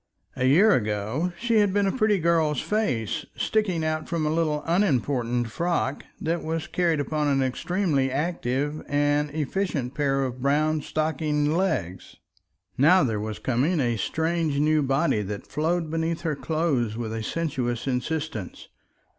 A year ago she had been a pretty girl's face sticking out from a little unimportant frock that was carried upon an extremely active and efficient pair of brown stockinged legs. Now there was coming a strange new body that flowed beneath her clothes with a sinuous insistence.